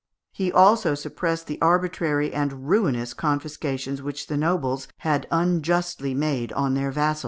He also suppressed the arbitrary and ruinous confiscations which the nobles had unjustly made on their vassals.